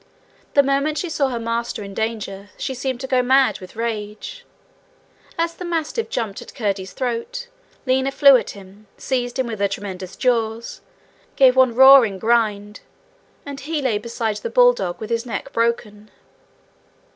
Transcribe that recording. The moment she saw her master in danger she seemed to go mad with rage. As the mastiff jumped at Curdie's throat, Lina flew at him, seized him with her tremendous jaws, gave one roaring grind, and he lay beside the bulldog with his neck broken.